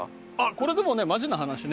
これでもねマジな話ね